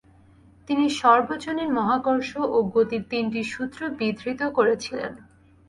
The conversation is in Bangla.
তিনি সর্বজনীন মহাকর্ষ এবং গতির তিনটি সূত্র বিধৃত করেছিলেন।